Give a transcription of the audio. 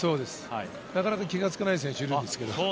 なかなか気がつかない選手がいるんですけど。